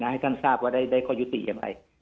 ให้ท่านทราบว่าได้ข้อยุติอย่างไร